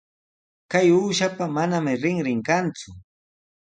Kay uushapa manami rinrin kanku.